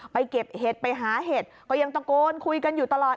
เก็บเห็ดไปหาเห็ดก็ยังตะโกนคุยกันอยู่ตลอด